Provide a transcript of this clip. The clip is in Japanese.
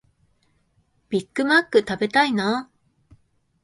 ビッグマック食べたいなあ